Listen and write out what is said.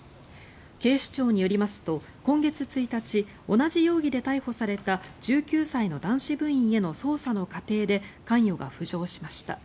警視庁によりますと今月１日、同じ容疑で逮捕された１９歳の男子部員への捜査の過程で関与が浮上しました。